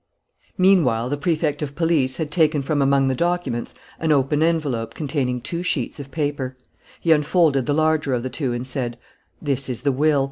Meanwhile, the Prefect of Police had taken from among the documents an open envelope containing two sheets of paper. He unfolded the larger of the two and said: "This is the will.